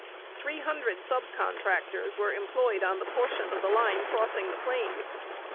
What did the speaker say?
Three hundred sub contractors were employed on the portion of the line crossing the plains.